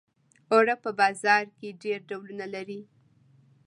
اوړه په بازار کې ډېر ډولونه لري